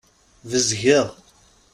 Bezgeɣ.